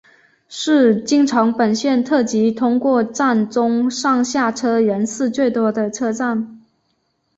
是京成本线特急通过站中上下车人次最多的车站。